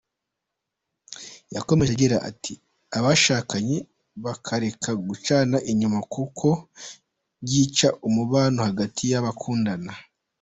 Yakomeje agira ati “ Abashakanye bakareka gucana inyuma kuko byica umubano hagati y’abakundana.